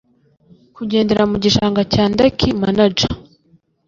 kugendera mu gishanga cya danki manaja